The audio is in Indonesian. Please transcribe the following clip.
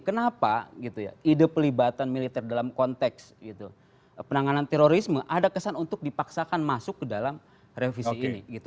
kenapa ide pelibatan militer dalam konteks penanganan terorisme ada kesan untuk dipaksakan masuk ke dalam revisi ini